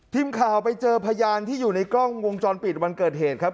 ทีมข่าวไปเจอพยานที่อยู่ในกล้องวงจรปิดวันเกิดเหตุครับ